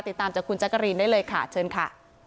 ติดตามจากคุณแจ๊กกะรีนได้เลยค่ะเชิญค่ะ